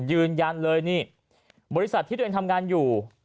ยืนยันเลยนี่บริษัทที่ตัวเองทำงานอยู่